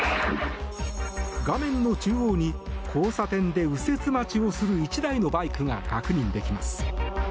画面の中央に交差点で右折待ちをする１台のバイクが確認できます。